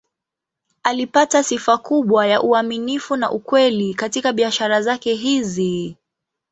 Alipata sifa kubwa ya uaminifu na ukweli katika biashara zake hizi.